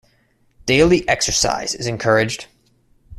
Daily exercise is encouraged.